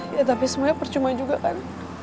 ya tapi sebenarnya percuma juga kan